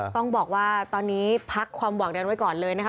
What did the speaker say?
ต้องบอกว่าตอนนี้พักความหวังดันไว้ก่อนเลยนะคะ